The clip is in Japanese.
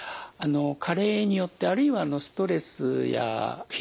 加齢によってあるいはストレスや疲労ですね